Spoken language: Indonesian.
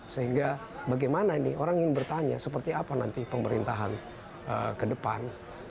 sehingga bagaimana nih orang ingin bertanya seperti apa nanti pemerintahan kedepan